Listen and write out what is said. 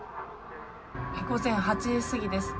午前８時過ぎです。